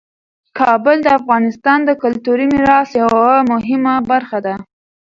کابل د افغانستان د کلتوري میراث یوه مهمه برخه ده.